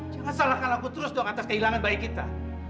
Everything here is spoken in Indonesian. jangan salahkan aku terus doang atas kehilangan bayi kita